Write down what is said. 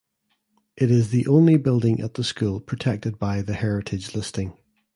It is the only building at the school protected by the heritage listing.